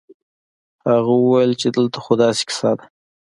هغه وويل چې دلته خو داسې کيسه ده.